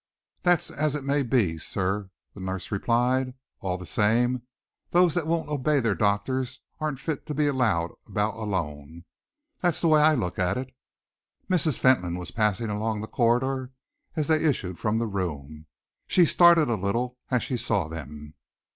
"That's as it may be, sir," the nurse replied. "All the same, those that won't obey their doctors aren't fit to be allowed about alone. That's the way I look at it." Mrs. Fentolin was passing along the corridor as they issued from the room. She started a little as she saw them.